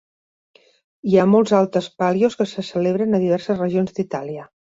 Hi ha molts altes palios que se celebren a diverses regions d'Itàlia.